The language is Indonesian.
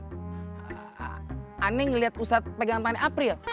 saya ini melakukan hal yang tidak pantas bersama dengan afril